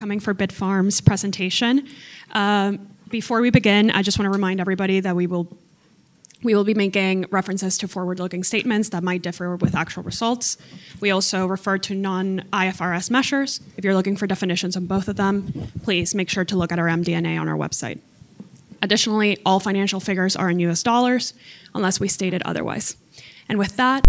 to the Bitfarms presentation. Before we begin, I just want to remind everybody that we will be making references to forward-looking statements that might differ from actual results. We also refer to non-IFRS measures. If you're looking for definitions of both of them, please make sure to look at our MD&A on our website. Additionally, all financial figures are in U.S. dollars unless we state otherwise. And with that.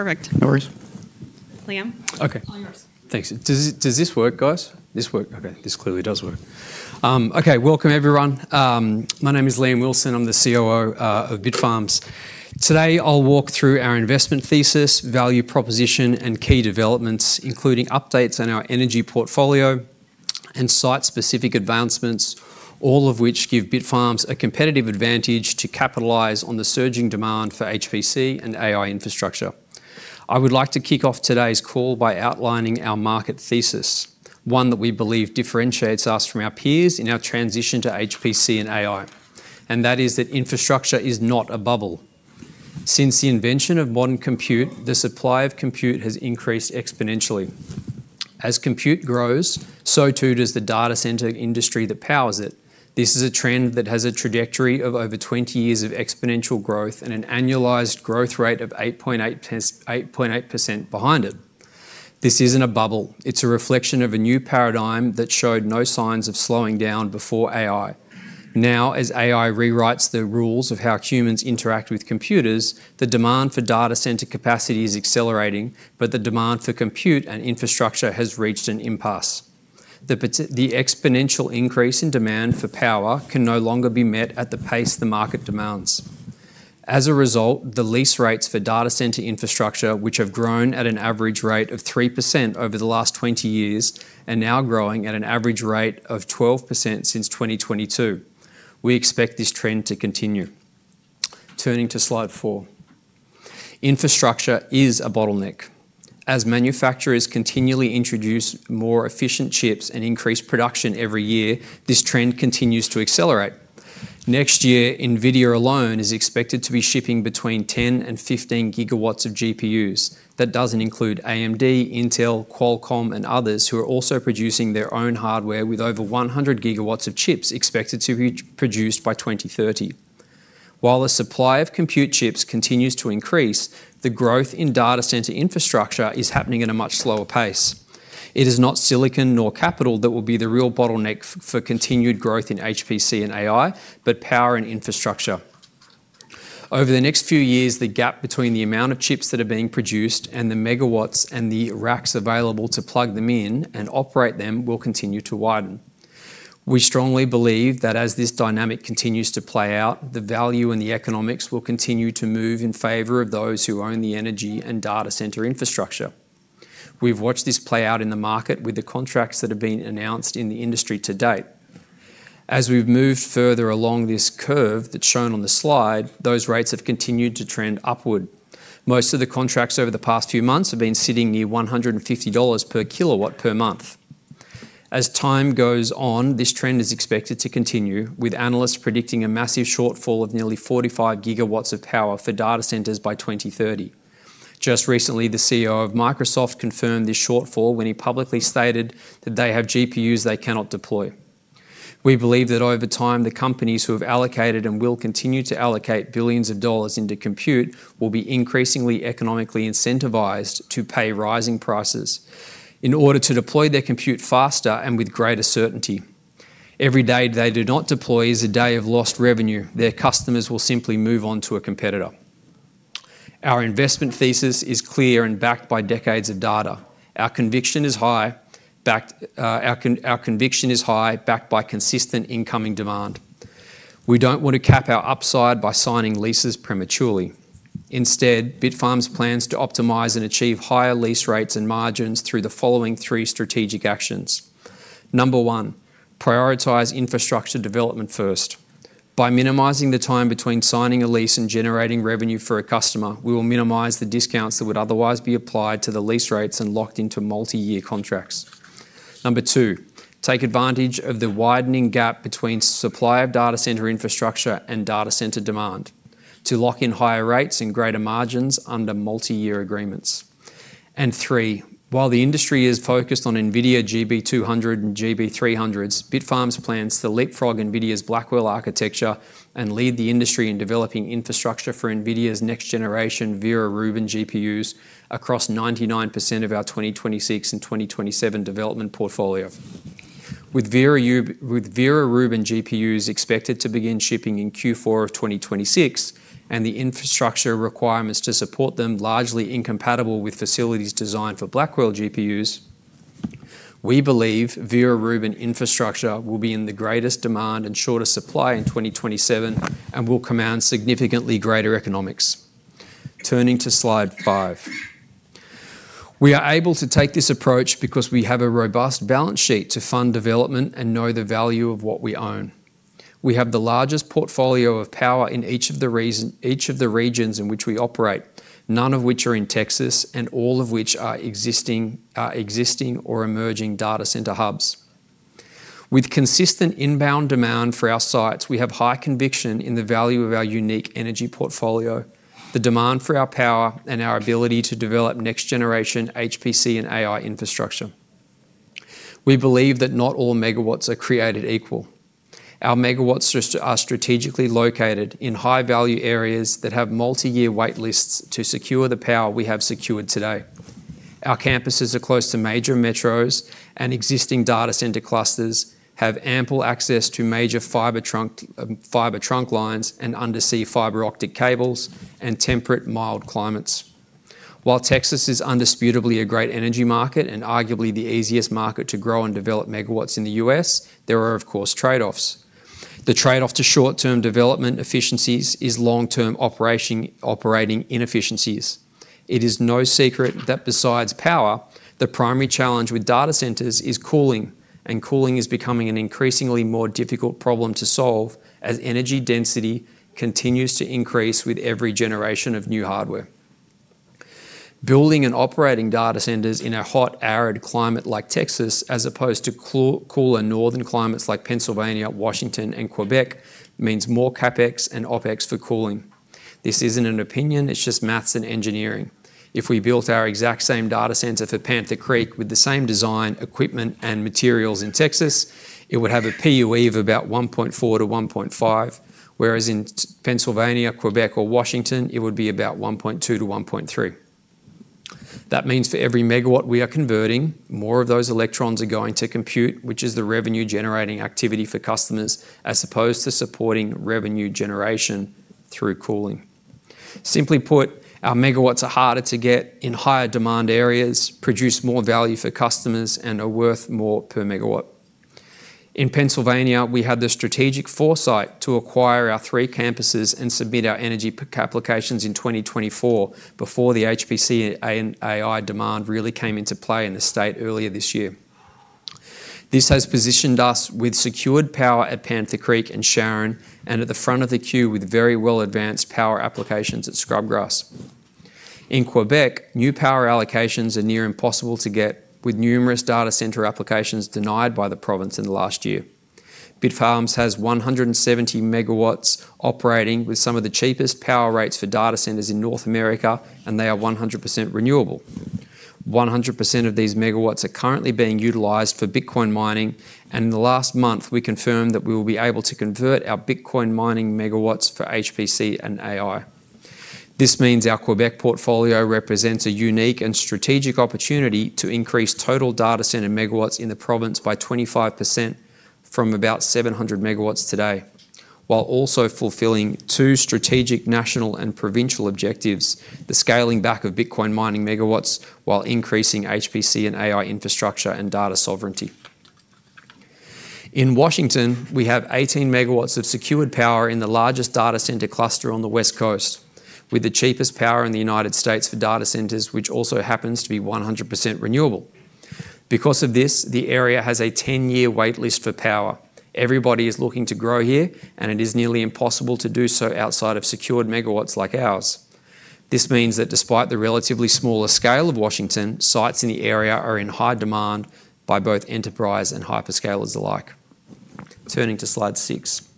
Perfect. No worries. Liam. Okay. All yours. Thanks. Does this work, guys? This work? Okay, this clearly does work. Okay, welcome everyone. My name is Liam Wilson. I'm the COO of Bitfarms. Today I'll walk through our investment thesis, value proposition, and key developments, including updates on our energy portfolio and site-specific advancements, all of which give Bitfarms a competitive advantage to capitalize on the surging demand for HPC and AI infrastructure. I would like to kick off today's call by outlining our market thesis, one that we believe differentiates us from our peers in our transition to HPC and AI, and that is that infrastructure is not a bubble. Since the invention of modern compute, the supply of compute has increased exponentially. As compute grows, so too does the data center industry that powers it. This is a trend that has a trajectory of over 20 years of exponential growth and an annualized growth rate of 8.8% behind it. This isn't a bubble. It's a reflection of a new paradigm that showed no signs of slowing down before AI. Now, as AI rewrites the rules of how humans interact with computers, the demand for data center capacity is accelerating, but the demand for compute and infrastructure has reached an impasse. The exponential increase in demand for power can no longer be met at the pace the market demands. As a result, the lease rates for data center infrastructure, which have grown at an average rate of 3% over the last 20 years, are now growing at an average rate of 12% since 2022. We expect this trend to continue. Turning to slide four, infrastructure is a bottleneck. As manufacturers continually introduce more efficient chips and increase production every year, this trend continues to accelerate. Next year, NVIDIA alone is expected to be shipping between 10-15 GWs of GPUs. That doesn't include AMD, Intel, Qualcomm, and others who are also producing their own hardware with over 100 GWs of chips expected to be produced by 2030. While the supply of compute chips continues to increase, the growth in data center infrastructure is happening at a much slower pace. It is not silicon nor capital that will be the real bottleneck for continued growth in HPC and AI, but power and infrastructure. Over the next few years, the gap between the amount of chips that are being produced and the MWs and the racks available to plug them in and operate them will continue to widen. We strongly believe that as this dynamic continues to play out, the value and the economics will continue to move in favor of those who own the energy and data center infrastructure. We've watched this play out in the market with the contracts that have been announced in the industry to date. As we've moved further along this curve that's shown on the slide, those rates have continued to trend upward. Most of the contracts over the past few months have been sitting near $150 per kW per month. As time goes on, this trend is expected to continue, with analysts predicting a massive shortfall of nearly 45 GWs of power for data centers by 2030. Just recently, the CEO of Microsoft confirmed this shortfall when he publicly stated that they have GPUs they cannot deploy. We believe that over time, the companies who have allocated and will continue to allocate billions of dollars into compute will be increasingly economically incentivized to pay rising prices in order to deploy their compute faster and with greater certainty. Every day they do not deploy is a day of lost revenue. Their customers will simply move on to a competitor. Our investment thesis is clear and backed by decades of data. Our conviction is high, backed by consistent incoming demand. We don't want to cap our upside by signing leases prematurely. Instead, Bitfarms plans to optimize and achieve higher lease rates and margins through the following three strategic actions. Number one, prioritize infrastructure development first. By minimizing the time between signing a lease and generating revenue for a customer, we will minimize the discounts that would otherwise be applied to the lease rates and locked into multi-year contracts. Number two, take advantage of the widening gap between supply of data center infrastructure and data center demand to lock in higher rates and greater margins under multi-year agreements. And three, while the industry is focused on NVIDIA GB200 and GB300s, Bitfarms plans to leapfrog NVIDIA's Blackwell architecture and lead the industry in developing infrastructure for NVIDIA's next-generation Vera Rubin GPUs across 99% of our 2026 and 2027 development portfolio. With Vera Rubin GPUs expected to begin shipping in Q4 of 2026 and the infrastructure requirements to support them largely incompatible with facilities designed for Blackwell GPUs, we believe Vera Rubin infrastructure will be in the greatest demand and shortest supply in 2027 and will command significantly greater economics. Turning to slide five, we are able to take this approach because we have a robust balance sheet to fund development and know the value of what we own. We have the largest portfolio of power in each of the regions in which we operate, none of which are in Texas and all of which are existing or emerging data center hubs. With consistent inbound demand for our sites, we have high conviction in the value of our unique energy portfolio, the demand for our power, and our ability to develop next-generation HPC and AI infrastructure. We believe that not all MWs are created equal. Our MWs are strategically located in high-value areas that have multi-year waitlists to secure the power we have secured today. Our campuses are close to major metros, and existing data center clusters have ample access to major fiber trunk lines and undersea fiber optic cables and temperate mild climates. While Texas is indisputably a great energy market and arguably the easiest market to grow and develop MWs in the US, there are, of course, trade-offs. The trade-off to short-term development efficiencies is long-term operating inefficiencies. It is no secret that besides power, the primary challenge with data centers is cooling, and cooling is becoming an increasingly more difficult problem to solve as energy density continues to increase with every generation of new hardware. Building and operating data centers in a hot, arid climate like Texas, as opposed to cooler northern climates like Pennsylvania, Washington, and Quebec, means more CapEx and OpEx for cooling. This isn't an opinion; it's just math and engineering. If we built our exact same data center for Panther Creek with the same design, equipment, and materials in Texas, it would have a PUE of about 1.4-1.5, whereas in Pennsylvania, Quebec, or Washington, it would be about 1.2-1.3. That means for every MW we are converting, more of those electrons are going to compute, which is the revenue-generating activity for customers, as opposed to supporting revenue generation through cooling. Simply put, our MWs are harder to get in higher demand areas, produce more value for customers, and are worth more per MW. In Pennsylvania, we had the strategic foresight to acquire our three campuses and submit our energy applications in 2024 before the HPC and AI demand really came into play in the state earlier this year. This has positioned us with secured power at Panther Creek and Sharon, and at the front of the queue with very well-advanced power applications at Scrubgrass. In Quebec, new power allocations are near impossible to get, with numerous data center applications denied by the province in the last year. Bitfarms has 170 MWs operating with some of the cheapest power rates for data centers in North America, and they are 100% renewable. 100% of these MWs are currently being utilized for Bitcoin mining, and in the last month, we confirmed that we will be able to convert our Bitcoin mining MWs for HPC and AI. This means our Quebec portfolio represents a unique and strategic opportunity to increase total data center MWs in the province by 25% from about 700 MWs today, while also fulfilling two strategic national and provincial objectives: the scaling back of Bitcoin mining MWs while increasing HPC and AI infrastructure and data sovereignty. In Washington, we have 18 MWs of secured power in the largest data center cluster on the West Coast, with the cheapest power in the United States for data centers, which also happens to be 100% renewable. Because of this, the area has a 10-year waitlist for power. Everybody is looking to grow here, and it is nearly impossible to do so outside of secured MWs like ours. This means that despite the relatively smaller scale of Washington, sites in the area are in high demand by both enterprise and hyperscalers alike. Turning to slide six.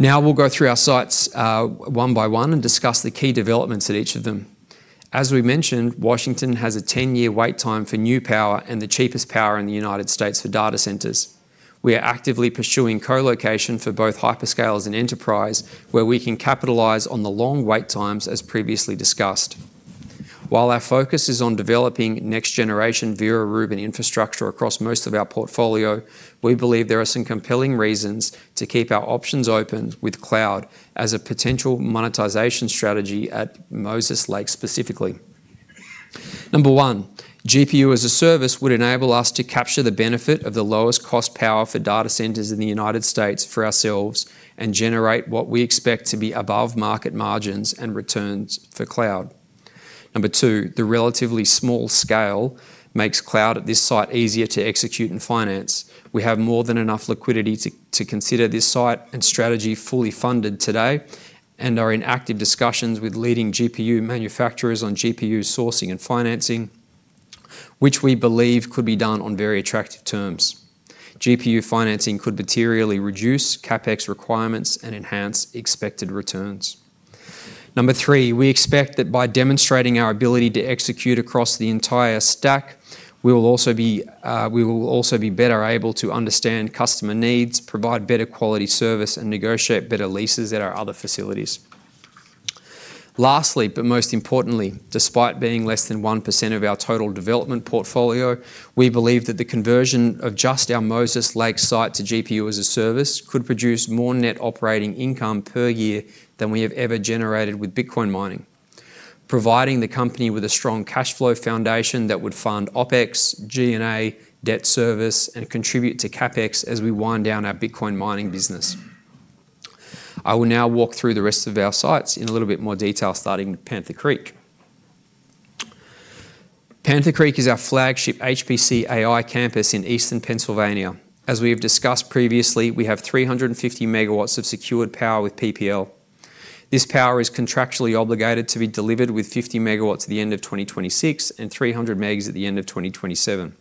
Now we'll go through our sites one by one and discuss the key developments at each of them. As we mentioned, Washington has a 10-year wait time for new power and the cheapest power in the United States for data centers. We are actively pursuing co-location for both hyperscalers and enterprise, where we can capitalize on the long wait times as previously discussed. While our focus is on developing next-generation Vera Rubin infrastructure across most of our portfolio, we believe there are some compelling reasons to keep our options open with cloud as a potential monetization strategy at Moses Lake specifically. Number one, GPU as a service would enable us to capture the benefit of the lowest cost power for data centers in the United States for ourselves and generate what we expect to be above market margins and returns for cloud. Number two, the relatively small scale makes cloud at this site easier to execute and finance. We have more than enough liquidity to consider this site and strategy fully funded today and are in active discussions with leading GPU manufacturers on GPU sourcing and financing, which we believe could be done on very attractive terms. GPU financing could materially reduce CapEx requirements and enhance expected returns. Number three, we expect that by demonstrating our ability to execute across the entire stack, we will also be better able to understand customer needs, provide better quality service, and negotiate better leases at our other facilities. Lastly, but most importantly, despite being less than 1% of our total development portfolio, we believe that the conversion of just our Moses Lake site to GPU as a service could produce more net operating income per year than we have ever generated with Bitcoin mining, providing the company with a strong cash flow foundation that would fund OpEx, G&A, debt service, and contribute to CapEx as we wind down our Bitcoin mining business. I will now walk through the rest of our sites in a little bit more detail starting with Panther Creek. Panther Creek is our flagship HPC AI campus in eastern Pennsylvania. As we have discussed previously, we have 350 MWs of secured power with PPL. This power is contractually obligated to be delivered with 50 MWs at the end of 2026 and 300 megs at the end of 2027.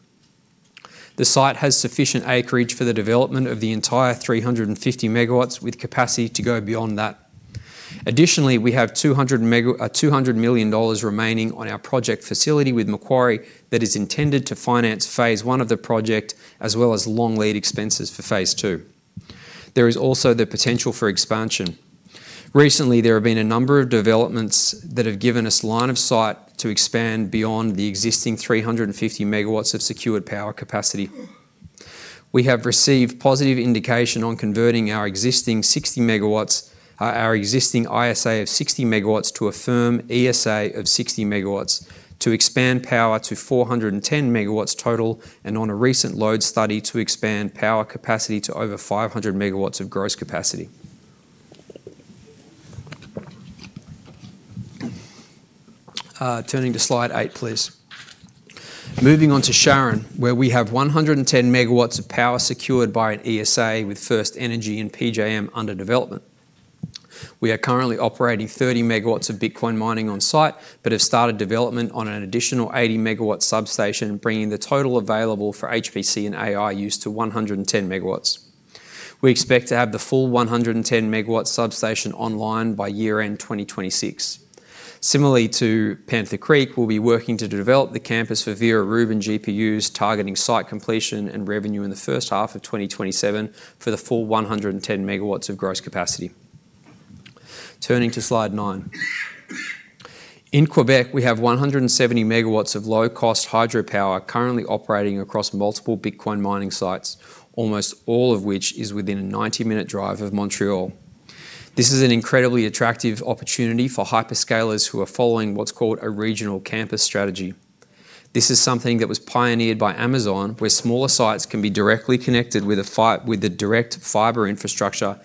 The site has sufficient acreage for the development of the entire 350 MWs with capacity to go beyond that. Additionally, we have $200 million remaining on our project facility with Macquarie that is intended to finance phase one of the project as well as long lead expenses for phase two. There is also the potential for expansion. Recently, there have been a number of developments that have given us line of sight to expand beyond the existing 350 MWs of secured power capacity. We have received positive indication on converting our existing 60 MWs, our existing ISA of 60 MWs to a firm ESA of 60 MWs to expand power to 410 MWs total and on a recent load study to expand power capacity to over 500 MWs of gross capacity. Turning to slide eight, please. Moving on to Sharon, where we have 110 MWs of power secured by an ESA with FirstEnergy and PJM under development. We are currently operating 30 MWs of Bitcoin mining on site but have started development on an additional 80 MW substation, bringing the total available for HPC and AI use to 110 MWs. We expect to have the full 110 MW substation online by year-end 2026. Similarly to Panther Creek, we'll be working to develop the campus for Vera Rubin GPUs, targeting site completion and revenue in the first half of 2027 for the full 110 MWs of gross capacity. Turning to slide nine. In Quebec, we have 170 MWs of low-cost hydropower currently operating across multiple Bitcoin mining sites, almost all of which is within a 90-minute drive of Montreal. This is an incredibly attractive opportunity for hyperscalers who are following what's called a regional campus strategy. This is something that was pioneered by Amazon, where smaller sites can be directly connected with a direct fiber infrastructure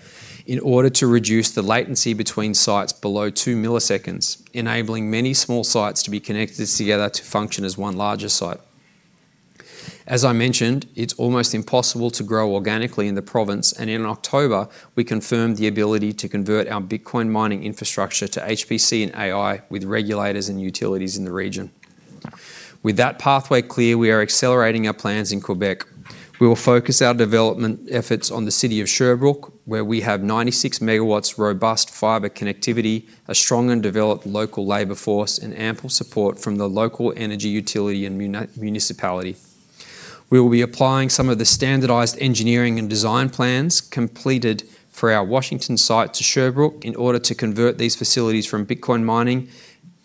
in order to reduce the latency between sites below two milliseconds, enabling many small sites to be connected together to function as one larger site. As I mentioned, it's almost impossible to grow organically in the province, and in October, we confirmed the ability to convert our Bitcoin mining infrastructure to HPC and AI with regulators and utilities in the region. With that pathway clear, we are accelerating our plans in Quebec. We will focus our development efforts on the city of Sherbrooke, where we have 96 MWs robust fiber connectivity, a strong and developed local labor force, and ample support from the local energy utility and municipality. We will be applying some of the standardized engineering and design plans completed for our Washington site to Sherbrooke in order to convert these facilities from Bitcoin mining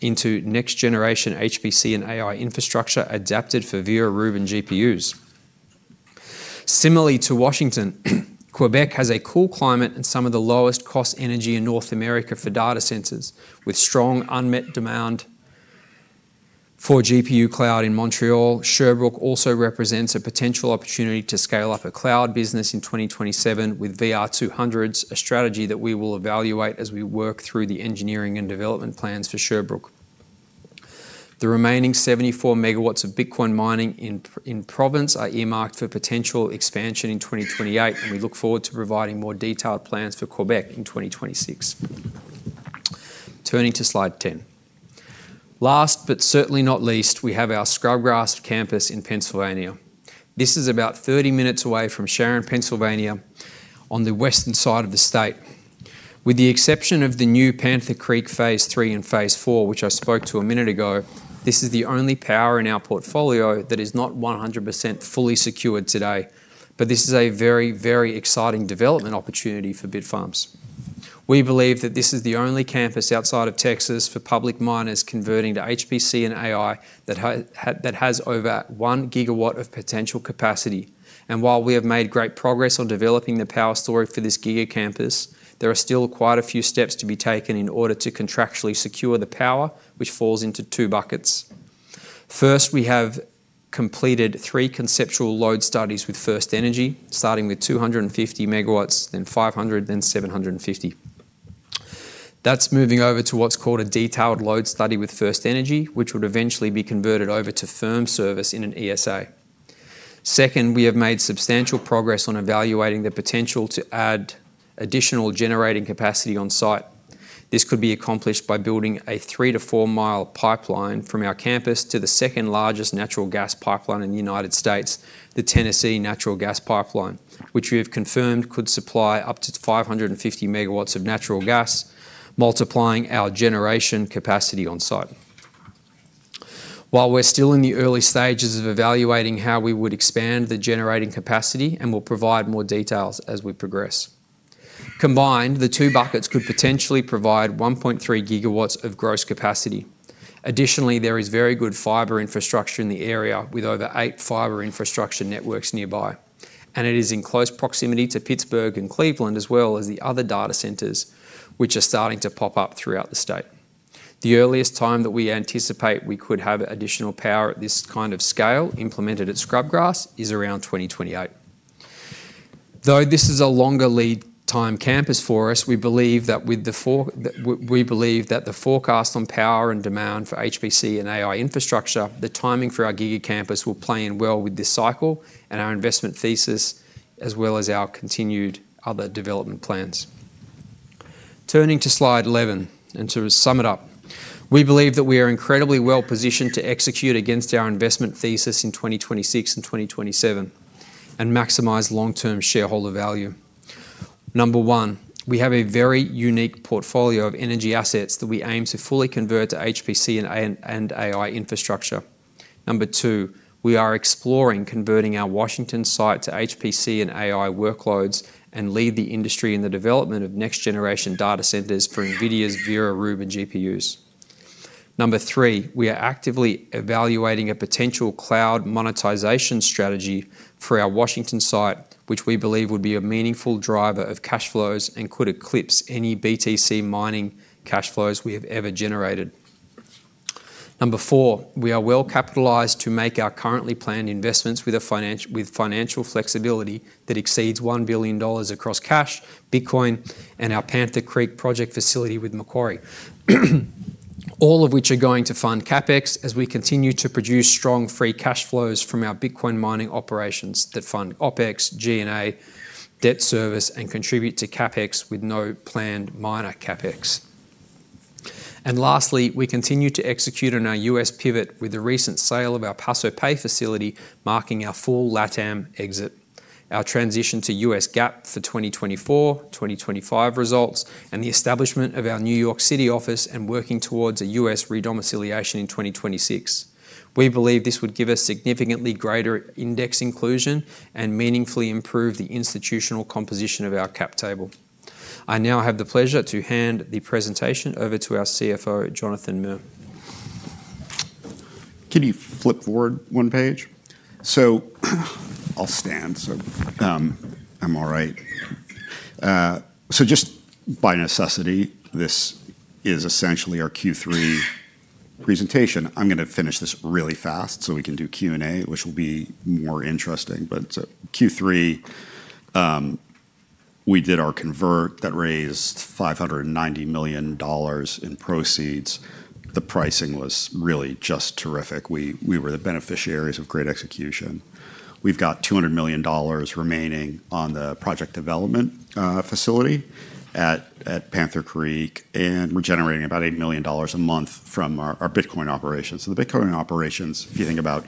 into next-generation HPC and AI infrastructure adapted for Vera Rubin GPUs. Similarly to Washington, Quebec has a cool climate and some of the lowest cost energy in North America for data centers. With strong unmet demand for GPU cloud in Montreal, Sherbrooke also represents a potential opportunity to scale up a cloud business in 2027 with VR200s, a strategy that we will evaluate as we work through the engineering and development plans for Sherbrooke. The remaining 74 MWs of Bitcoin mining in province are earmarked for potential expansion in 2028, and we look forward to providing more detailed plans for Quebec in 2026. Turning to slide 10. Last but certainly not least, we have our Scrubgrass campus in Pennsylvania. This is about 30 minutes away from Sharon, Pennsylvania, on the western side of the state. With the exception of the new Panther Creek phase three and phase four, which I spoke to a minute ago, this is the only power in our portfolio that is not 100% fully secured today, but this is a very, very exciting development opportunity for Bitfarms. We believe that this is the only campus outside of Texas for public miners converting to HPC and AI that has over one GW of potential capacity, and while we have made great progress on developing the power story for this gigacampus, there are still quite a few steps to be taken in order to contractually secure the power, which falls into two buckets. First, we have completed three conceptual load studies with FirstEnergy, starting with 250 MWs, then 500, then 750. That's moving over to what's called a detailed load study with FirstEnergy, which would eventually be converted over to firm service in an ESA. Second, we have made substantial progress on evaluating the potential to add additional generating capacity on site. This could be accomplished by building a three- to four-mile pipeline from our campus to the second largest natural gas pipeline in the United States, the Tennessee Gas Pipeline, which we have confirmed could supply up to 550 MWs of natural gas, multiplying our generation capacity on site. While we're still in the early stages of evaluating how we would expand the generating capacity, we will provide more details as we progress. Combined, the two buckets could potentially provide 1.3 GWs of gross capacity. Additionally, there is very good fiber infrastructure in the area with over eight fiber infrastructure networks nearby, and it is in close proximity to Pittsburgh and Cleveland, as well as the other data centers, which are starting to pop up throughout the state. The earliest time that we anticipate we could have additional power at this kind of scale implemented at Scrubgrass is around 2028. Though this is a longer lead time campus for us, we believe that with the forecast on power and demand for HPC and AI infrastructure, the timing for our gigacampus will play in well with this cycle and our investment thesis, as well as our continued other development plans. Turning to slide 11 and to sum it up, we believe that we are incredibly well positioned to execute against our investment thesis in 2026 and 2027 and maximize long-term shareholder value. Number one, we have a very unique portfolio of energy assets that we aim to fully convert to HPC and AI infrastructure. Number two, we are exploring converting our Washington site to HPC and AI workloads and lead the industry in the development of next-generation data centers for NVIDIA's Vera Rubin GPUs. Number three, we are actively evaluating a potential cloud monetization strategy for our Washington site, which we believe would be a meaningful driver of cash flows and could eclipse any BTC mining cash flows we have ever generated. Number four, we are well capitalized to make our currently planned investments with financial flexibility that exceeds $1 billion across cash, Bitcoin, and our Panther Creek project facility with Macquarie, all of which are going to fund CapEx as we continue to produce strong free cash flows from our Bitcoin mining operations that fund OpEx, G&A, debt service, and contribute to CapEx with no planned minor CapEx. And lastly, we continue to execute on our U.S. pivot with the recent sale of our Paso Pe facility, marking our full LATAM exit, our transition to U.S. GAAP for 2024-2025 results, and the establishment of our New York City office and working towards a U.S. redomiciliation in 2026. We believe this would give us significantly greater index inclusion and meaningfully improve the institutional composition of our cap table. I now have the pleasure to hand the presentation over to our CFO, Jonathan Merne. Can you flip forward one page? So I'll stand. So I'm all right. So just by necessity, this is essentially our Q3 presentation. I'm going to finish this really fast so we can do Q&A, which will be more interesting. But Q3, we did our convert that raised $590 million in proceeds. The pricing was really just terrific. We were the beneficiaries of great execution. We've got $200 million remaining on the project development facility at Panther Creek, and we're generating about $8 million a month from our Bitcoin operations. So the Bitcoin operations, if you think about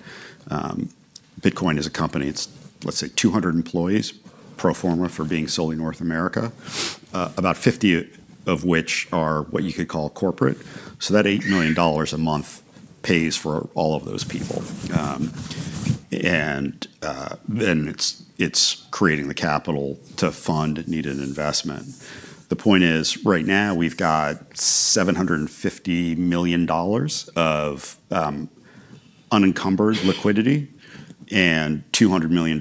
Bitcoin as a company, it's, let's say, 200 employees pro forma for being solely North America, about 50 of which are what you could call corporate. So that $8 million a month pays for all of those people. And then it's creating the capital to fund needed investment. The point is, right now, we've got $750 million of unencumbered liquidity and $200 million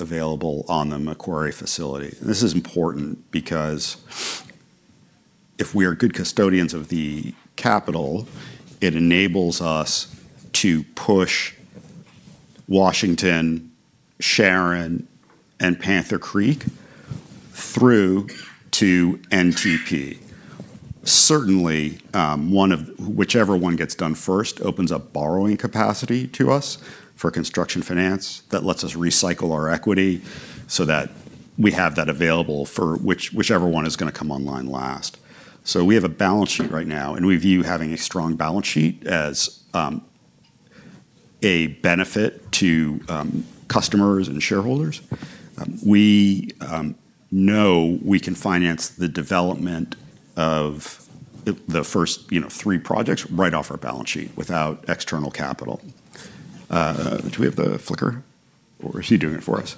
available on the Macquarie facility, and this is important because if we are good custodians of the capital, it enables us to push Washington, Sharon, and Panther Creek through to NTP. Certainly, whichever one gets done first opens up borrowing capacity to us for construction finance that lets us recycle our equity so that we have that available for whichever one is going to come online last. So we have a balance sheet right now, and we view having a strong balance sheet as a benefit to customers and shareholders. We know we can finance the development of the first three projects right off our balance sheet without external capital. Do we have the flicker? Or is he doing it for us?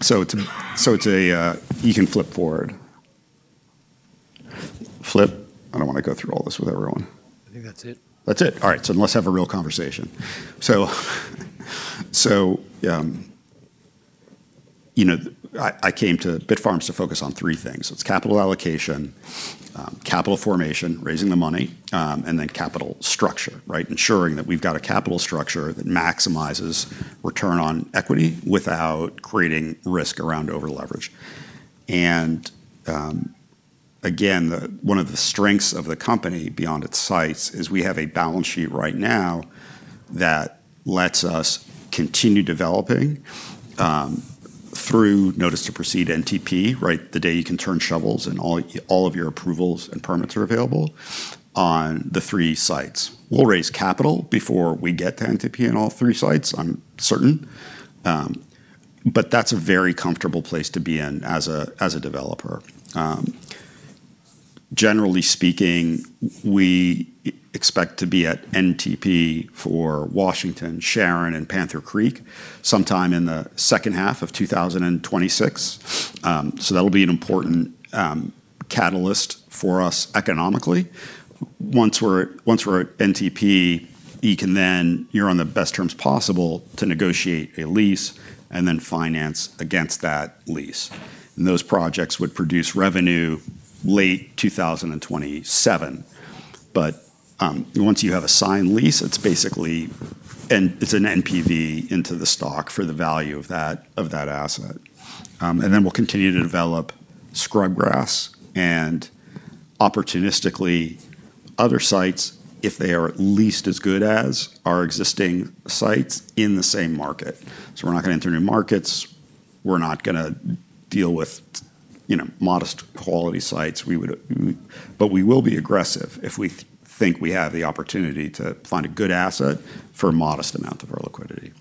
So you can flip forward. Flip? I don't want to go through all this with everyone. I think that's it. That's it? All right, so let's have a real conversation, so I came to Bitfarms to focus on three things. It's capital allocation, capital formation, raising the money, and then capital structure, ensuring that we've got a capital structure that maximizes return on equity without creating risk around over-leverage. And again, one of the strengths of the company beyond its sites is we have a balance sheet right now that lets us continue developing through Notice to Proceed (NTP), the day you can turn shovels and all of your approvals and permits are available on the three sites. We'll raise capital before we get to NTP on all three sites, I'm certain, but that's a very comfortable place to be in as a developer. Generally speaking, we expect to be at NTP for Washington, Sharon, and Panther Creek sometime in the second half of 2026. So that'll be an important catalyst for us economically. Once we're at NTP, then you're on the best terms possible to negotiate a lease and then finance against that lease. And those projects would produce revenue late 2027. But once you have a signed lease, it's basically an NPV into the stock for the value of that asset. And then we'll continue to develop Scrubgrass and opportunistically other sites if they are at least as good as our existing sites in the same market. So we're not going to enter new markets. We're not going to deal with modest quality sites. But we will be aggressive if we think we have the opportunity to find a good asset for a modest amount of our liquidity.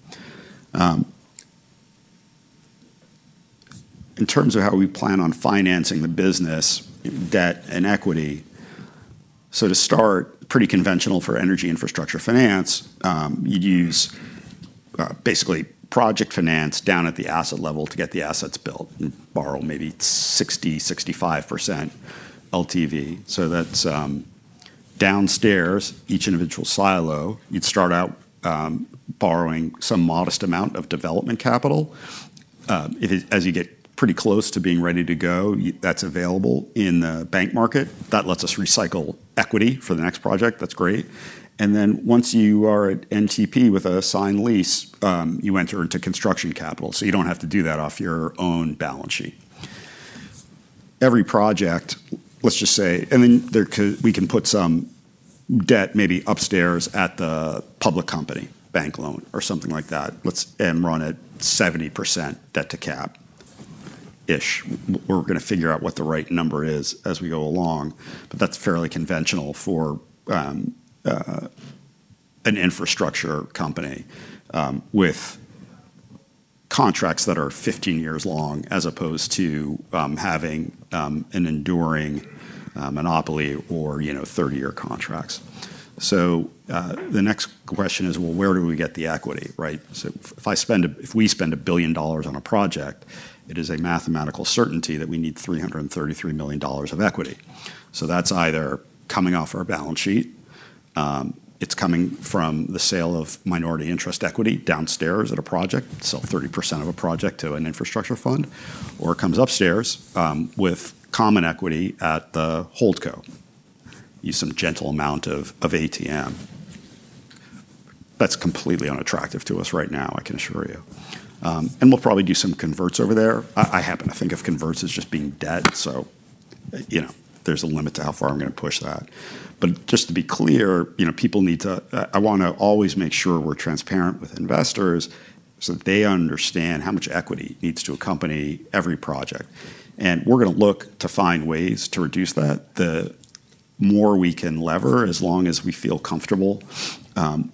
In terms of how we plan on financing the business, debt, and equity, so to start, pretty conventional for energy infrastructure finance, you'd use basically project finance down at the asset level to get the assets built and borrow maybe 60%-65% LTV. That's downstairs, each individual silo. You'd start out borrowing some modest amount of development capital. As you get pretty close to being ready to go, that's available in the bank market. That lets us recycle equity for the next project. That's great, and then once you are at NTP with a signed lease, you enter into construction capital. So you don't have to do that off your own balance sheet. Every project, let's just say, and then we can put some debt maybe upstairs at the public company bank loan or something like that and run it 70% debt to cap-ish. We're going to figure out what the right number is as we go along. But that's fairly conventional for an infrastructure company with contracts that are 15 years long as opposed to having an enduring monopoly or 30-year contracts. So the next question is, well, where do we get the equity? If we spend $1 billion on a project, it is a mathematical certainty that we need $333 million of equity. So that's either coming off our balance sheet. It's coming from the sale of minority interest equity downstairs at a project, sell 30% of a project to an infrastructure fund, or it comes upstairs with common equity at the Holdco, use some gentle amount of ATM. That's completely unattractive to us right now, I can assure you. And we'll probably do some converts over there. I happen to think of converts as just being debt. So there's a limit to how far I'm going to push that. But just to be clear, I want to always make sure we're transparent with investors so that they understand how much equity needs to accompany every project. And we're going to look to find ways to reduce that. The more we can lever, as long as we feel comfortable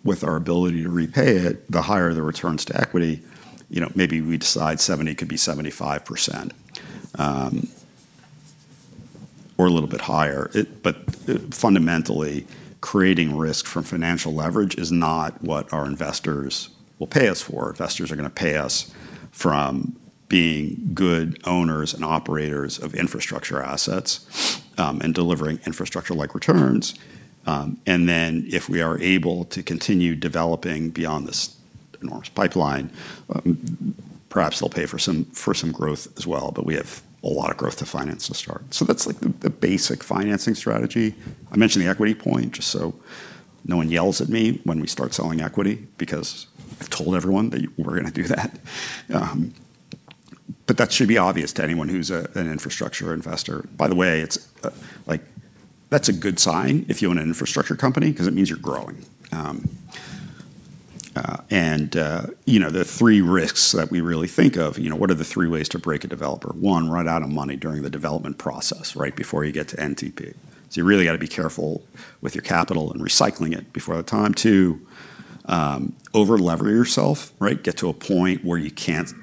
with our ability to repay it, the higher the returns to equity. Maybe we decide 70 could be 75% or a little bit higher. But fundamentally, creating risk from financial leverage is not what our investors will pay us for. Investors are going to pay us from being good owners and operators of infrastructure assets and delivering infrastructure-like returns. And then if we are able to continue developing beyond this enormous pipeline, perhaps they'll pay for some growth as well. But we have a lot of growth to finance to start. So that's the basic financing strategy. I mentioned the equity point just so no one yells at me when we start selling equity because I've told everyone that we're going to do that. But that should be obvious to anyone who's an infrastructure investor. By the way, that's a good sign if you own an infrastructure company because it means you're growing. And the three risks that we really think of, what are the three ways to break a developer? One, run out of money during the development process right before you get to NTP. So you really got to be careful with your capital and recycling it before that time. Two, over-leverage yourself, get to a point where you can't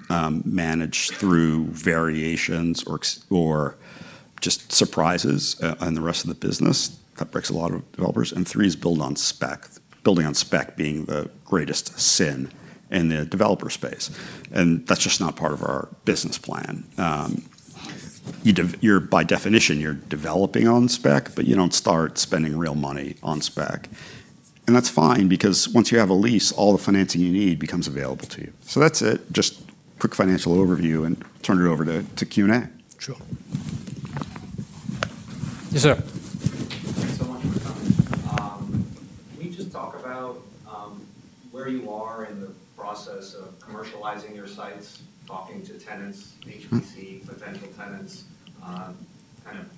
manage through variations or just surprises on the rest of the business. That breaks a lot of developers. And three is building on spec, building on spec being the greatest sin in the developer space. And that's just not part of our business plan. By definition, you're developing on spec, but you don't start spending real money on spec. And that's fine because once you have a lease, all the financing you need becomes available to you. So that's it. Just quick financial overview and turn it over to Q&A. Sure. Yes, sir. Thanks so much for coming. Can you just talk about where you are in the process of commercializing your sites, talking to tenants, HPC, potential tenants, kind of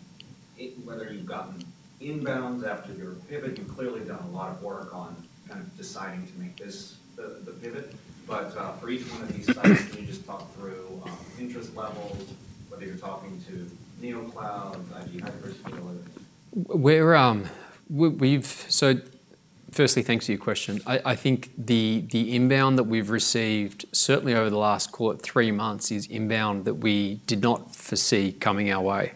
whether you've gotten inbound after your pivot? You've clearly done a lot of work on kind of deciding to make this the pivot. But for each one of these sites, can you just talk through interest levels, whether you're talking to Neocloud, IB HyperScale, or? So firstly, thanks for your question. I think the inbound that we've received, certainly over the last three months, is inbound that we did not foresee coming our way,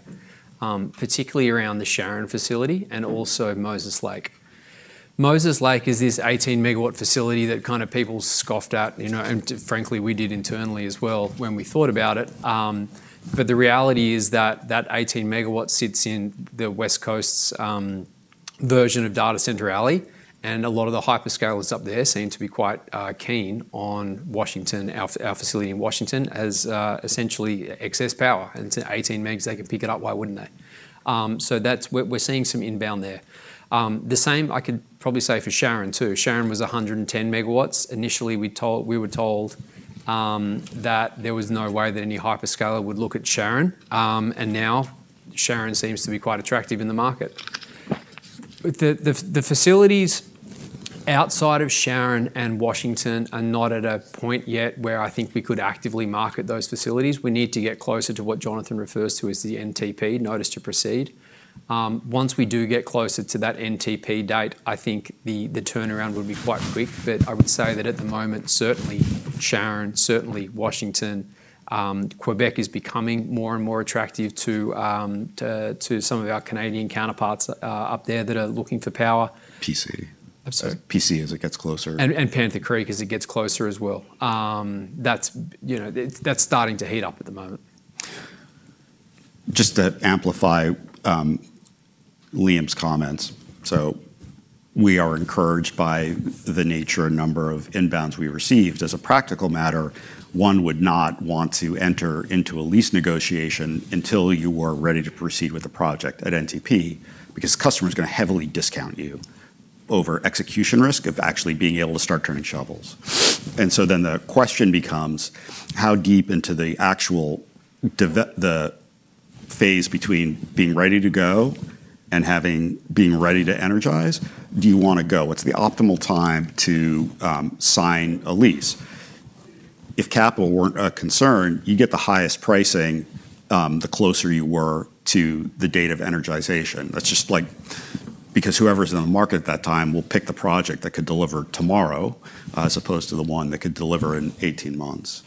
particularly around the Sharon facility and also Moses Lake. Moses Lake is this 18 MW facility that kind of people scoffed at, and frankly, we did internally as well when we thought about it. But the reality is that that 18 MWs sits in the West Coast's version of Data Center Alley. And a lot of the hyperscalers up there seem to be quite keen on our facility in Washington as essentially excess power. And it's 18 megs, they can pick it up, why wouldn't they? So we're seeing some inbound there. The same, I could probably say for Sharon too. Sharon was 110 MWs. Initially, we were told that there was no way that any hyperscaler would look at Sharon. Now Sharon seems to be quite attractive in the market. The facilities outside of Sharon and Washington are not at a point yet where I think we could actively market those facilities. We need to get closer to what Jonathan refers to as the NTP, notice to proceed. Once we do get closer to that NTP date, I think the turnaround would be quite quick. But I would say that at the moment, certainly Sharon, certainly Washington, Quebec is becoming more and more attractive to some of our Canadian counterparts up there that are looking for power. PC. I'm sorry. PC as it gets closer. Panther Creek as it gets closer as well. That's starting to heat up at the moment. Just to amplify Liam's comments, so we are encouraged by the nature and number of inbounds we received. As a practical matter, one would not want to enter into a lease negotiation until you are ready to proceed with a project at NTP because the customer is going to heavily discount you over execution risk of actually being able to start turning shovels, and so then the question becomes, how deep into the phase between being ready to go and being ready to energize do you want to go? What's the optimal time to sign a lease? If capital weren't a concern, you get the highest pricing the closer you were to the date of energization. That's just because whoever's in the market at that time will pick the project that could deliver tomorrow as opposed to the one that could deliver in 18 months.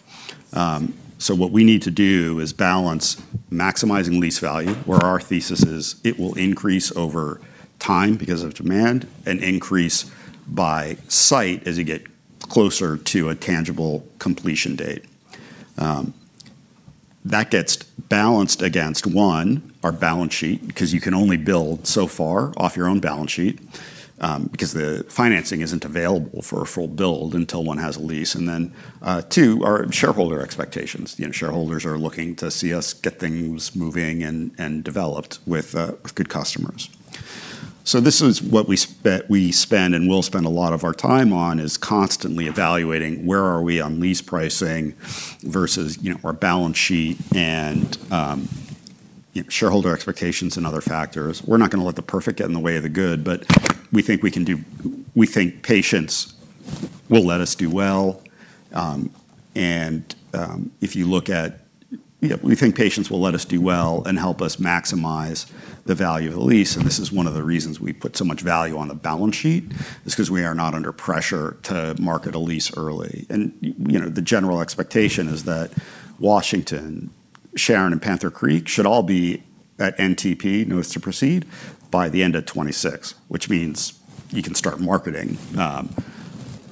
What we need to do is balance maximizing lease value, where our thesis is it will increase over time because of demand and increase by site as you get closer to a tangible completion date. That gets balanced against, one, our balance sheet because you can only build so far off your own balance sheet because the financing isn't available for a full build until one has a lease, and then two, our shareholder expectations. Shareholders are looking to see us get things moving and developed with good customers. This is what we spend and will spend a lot of our time on is constantly evaluating where are we on lease pricing versus our balance sheet and shareholder expectations and other factors. We're not going to let the perfect get in the way of the good, but we think patience will let us do well. And if you look at, we think patience will let us do well and help us maximize the value of the lease. And this is one of the reasons we put so much value on the balance sheet is because we are not under pressure to market a lease early. And the general expectation is that Washington, Sharon, and Panther Creek should all be at NTP, notice to proceed, by the end of 2026, which means you can start marketing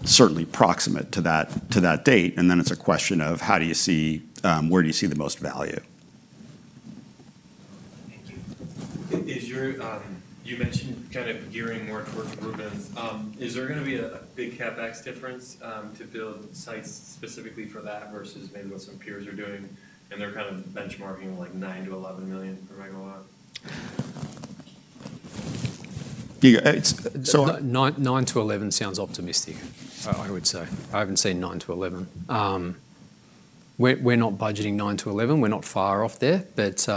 certainly proximate to that date. And then it's a question of how do you see, where do you see the most value. Thank you. You mentioned kind of gearing more towards groupings. Is there going to be a big CapEx difference to build sites specifically for that versus maybe what some peers are doing and they're kind of benchmarking like $9-$11 million per MW? 9 to 11 sounds optimistic, I would say. I haven't seen 9 to 11. We're not budgeting 9 to 11. We're not far off there. But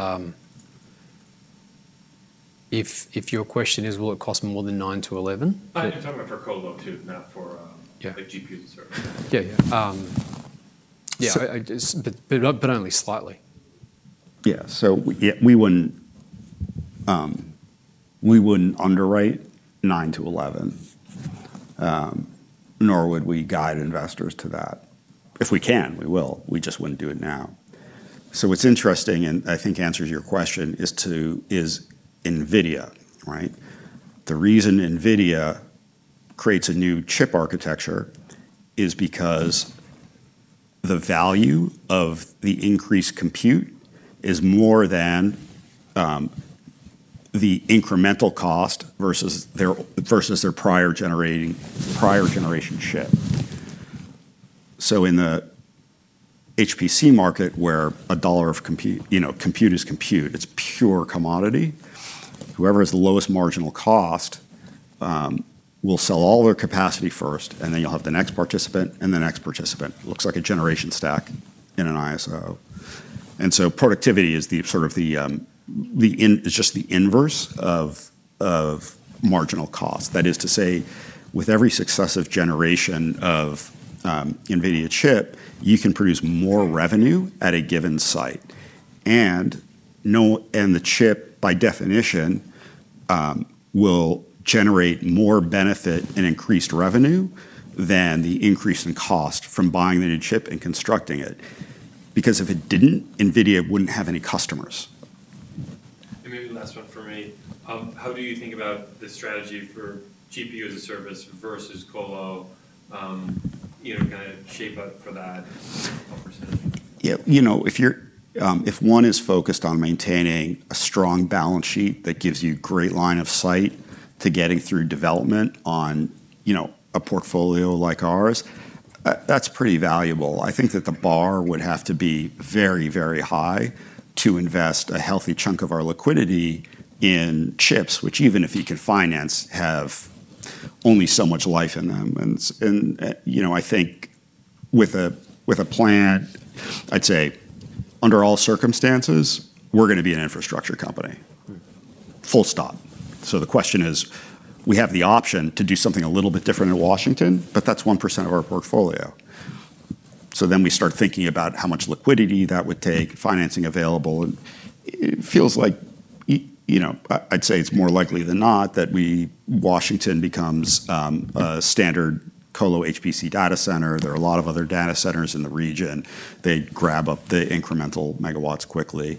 if your question is, will it cost more than 9 to 11? You're talking about for colocation too, not for GPUs and servers. Yeah, yeah. Yeah, but only slightly. Yeah. So we wouldn't underrate 9-11, nor would we guide investors to that. If we can, we will. We just wouldn't do it now. So what's interesting, and I think answers your question, is Nvidia. The reason Nvidia creates a new chip architecture is because the value of the increased compute is more than the incremental cost versus their prior generation chip. So in the HPC market, where a dollar of compute is compute, it's pure commodity. Whoever has the lowest marginal cost will sell all their capacity first, and then you'll have the next participant, and the next participant looks like a generation stack in an ISO. And so productivity is just the inverse of marginal cost. That is to say, with every successive generation of Nvidia chip, you can produce more revenue at a given site. And the chip, by definition, will generate more benefit and increased revenue than the increase in cost from buying the new chip and constructing it. Because if it didn't, NVIDIA wouldn't have any customers. And maybe last one for me. How do you think about the strategy for GPU as a service versus colocation kind of shape up for that? Yeah. If one is focused on maintaining a strong balance sheet that gives you great line of sight to getting through development on a portfolio like ours, that's pretty valuable. I think that the bar would have to be very, very high to invest a healthy chunk of our liquidity in chips, which even if you can finance, have only so much life in them. And I think with a plan, I'd say under all circumstances, we're going to be an infrastructure company. Full stop. So the question is, we have the option to do something a little bit different in Washington, but that's 1% of our portfolio. So then we start thinking about how much liquidity that would take, financing available. And it feels like I'd say it's more likely than not that Washington becomes a standard colocation HPC data center. There are a lot of other data centers in the region. They'd grab up the incremental MWs quickly.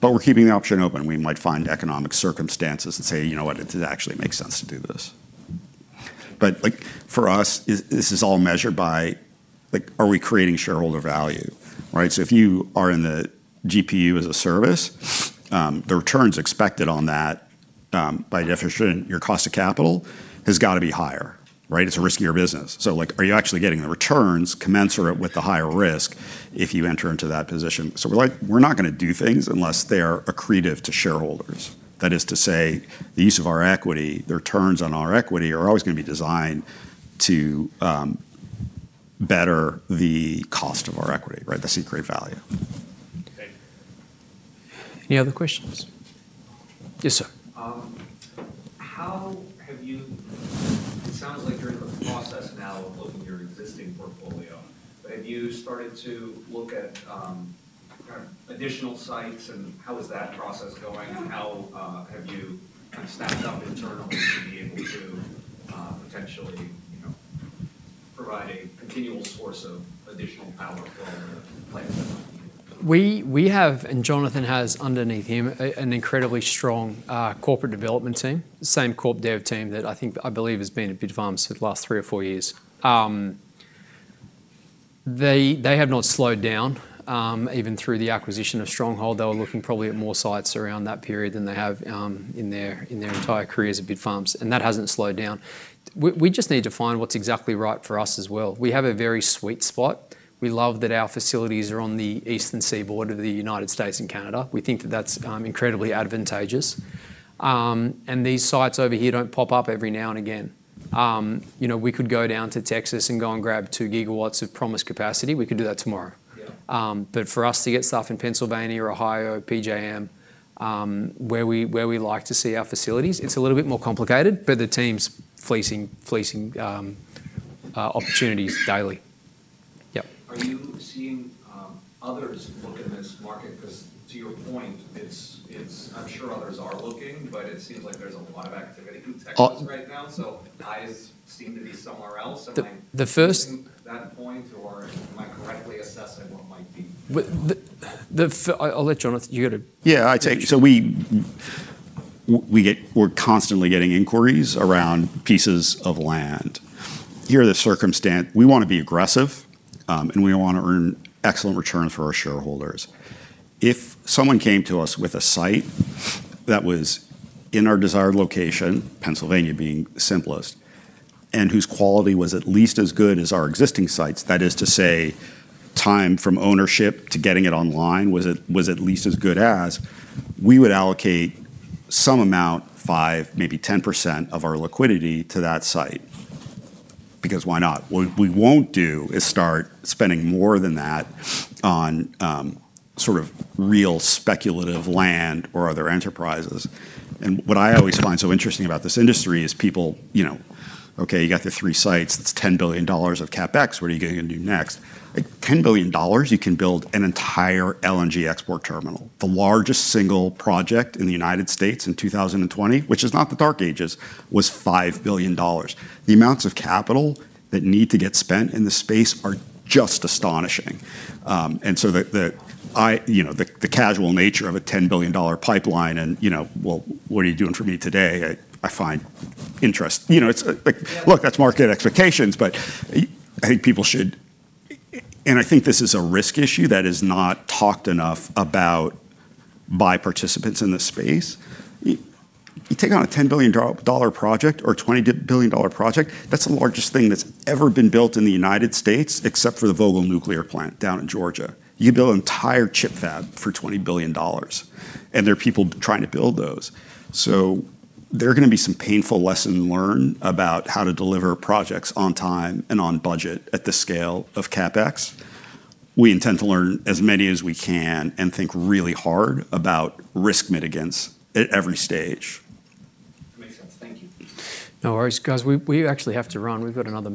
But we're keeping the option open. We might find economic circumstances and say, you know what, it actually makes sense to do this. But for us, this is all measured by, are we creating shareholder value? So if you are in the GPU as a service, the returns expected on that by definition, your cost of capital has got to be higher. It's a riskier business. So are you actually getting the returns commensurate with the higher risk if you enter into that position? So we're not going to do things unless they are accretive to shareholders. That is to say, the use of our equity, the returns on our equity are always going to be designed to better the cost of our equity. That's accretive value. Any other questions? Yes, sir. It sounds like you're in the process now of looking at your existing portfolio. Have you started to look at additional sites and how is that process going? How have you stacked up internally to be able to potentially provide a continual source of additional power for all the players? We have, and Jonathan has underneath him, an incredibly strong corporate development team, same Corp Dev team that I believe has been at Bitfarms for the last three or four years. They have not slowed down even through the acquisition of Stronghold. They were looking probably at more sites around that period than they have in their entire career as a Bitfarms, and that hasn't slowed down. We just need to find what's exactly right for us as well. We have a very sweet spot. We love that our facilities are on the eastern seaboard of the United States and Canada. We think that that's incredibly advantageous, and these sites over here don't pop up every now and again. We could go down to Texas and go and grab two GWs of promised capacity. We could do that tomorrow. But for us to get stuff in Pennsylvania or Ohio, PJM, where we like to see our facilities, it's a little bit more complicated, but the team's seizing opportunities daily. Yep. Are you seeing others look at this market? Because to your point, I'm sure others are looking, but it seems like there's a lot of activity in Texas right now, so eyes seem to be somewhere else. The first. That point, or am I correctly assessing what might be? I'll let Jonathan. Yeah, I take it. So we're constantly getting inquiries around pieces of land. Here are the circumstances. We want to be aggressive, and we want to earn excellent returns for our shareholders. If someone came to us with a site that was in our desired location, Pennsylvania being simplest, and whose quality was at least as good as our existing sites, that is to say, time from ownership to getting it online was at least as good as, we would allocate some amount, five, maybe 10% of our liquidity to that site. Because why not? What we won't do is start spending more than that on sort of real speculative land or other enterprises. And what I always find so interesting about this industry is people, okay, you got the three sites, it's $10 billion of CapEx. What are you going to do next? $10 billion, you can build an entire LNG export terminal. The largest single project in the United States in 2020, which is not the Dark Ages, was $5 billion. The amounts of capital that need to get spent in the space are just astonishing. So the casual nature of a $10 billion pipeline and, well, what are you doing for me today? I find it interesting. Look, that's market expectations, but I think people should, and I think this is a risk issue that is not talked enough about by participants in this space. You take on a $10 billion project or $20 billion project, that's the largest thing that's ever been built in the United States except for the Vogtle Nuclear Plant down in Georgia. You can build an entire chip fab for $20 billion, and there are people trying to build those. There are going to be some painful lessons learned about how to deliver projects on time and on budget at the scale of CapEx. We intend to learn as many as we can and think really hard about risk mitigants at every stage. That makes sense. Thank you. No worries, guys. We actually have to run. We've got another.